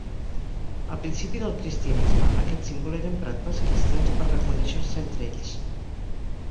Al principi del Cristianisme aquest símbol era emprat pels cristians per reconèixer-se entre ells.